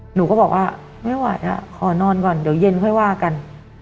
หนูก็บอกว่าไม่ไหวขอนอนก่อนเดี๋ยวเย็นค่อยว่ากัน